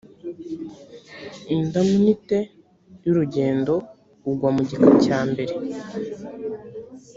indamunite y urugendo ugwa mu gika cya mbere